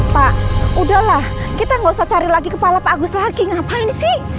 pak udahlah kita gak usah cari lagi kepala pak agus lagi ngapain sih